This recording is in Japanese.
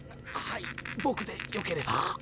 はいぼくでよければ。